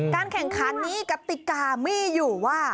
แข่งขันนี้กติกามีอยู่ว่า